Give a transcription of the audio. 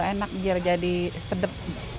enak biar jadi sedap